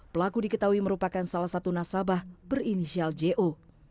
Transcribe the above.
pelaku diketahui merupakan salah satu nasabah berinisial jo